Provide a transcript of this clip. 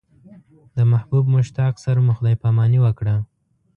د محبوب مشتاق سره مو خدای پاماني وکړه.